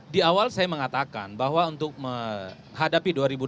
di awal saya mengatakan bahwa untuk menghadapi dua ribu dua puluh